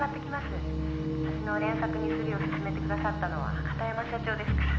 「橋の連作にするよう勧めてくださったのは片山社長ですから」